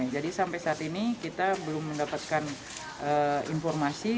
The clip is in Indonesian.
jadi sampai saat ini kita belum mendapatkan informasi